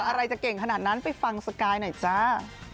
อะไรจะเก่งขนาดนั้นไปฟังสกายหน่อยจ้า